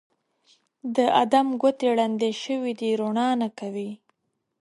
د ادم ګوتې ړندې شوي دي روڼا نه کوي